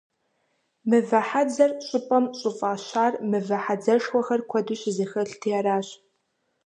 «Мывэ хьэдзэр» щӀыпӀэм щӀыфӀащар мывэ хьэдзэшхуэхэр куэду щызэхэлъти аращ.